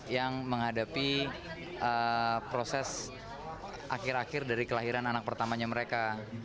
yang menghadapi proses akhir akhir dari kelahiran anak pertamanya mereka